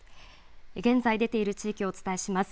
現在出ている地域をお伝えします。